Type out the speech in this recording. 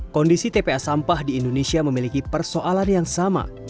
kondisi tpa sampah di indonesia memiliki persoalan yang sama